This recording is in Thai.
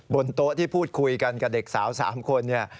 บนโต๊ะที่พูดคุยกันกับเด็กสาว๓คนเนี่ย